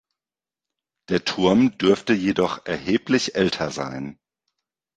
Der Turm dürfte jedoch erheblich älter sein.